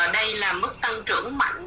đây là mức tăng trưởng mạnh